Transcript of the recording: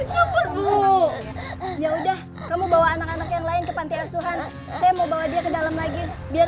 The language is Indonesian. campur bu ya udah kamu bawa anak anak yang lain ke panti asuhan saya mau bawa dia ke dalam lagi biar